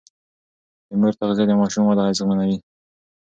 د مور تغذيه د ماشوم وده اغېزمنوي.